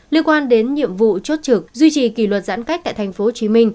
liên quan đến nhiệm vụ chốt trực duy trì kỷ luật giãn cách tại tp hcm